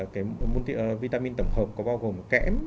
cái vitamin tổng hợp có bao gồm kẽm